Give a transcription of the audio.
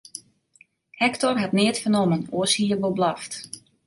Hektor hat neat fernommen, oars hie er wol blaft.